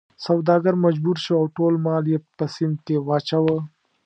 سوداګر مجبور شو او ټول مال یې په سیند کې واچاوه.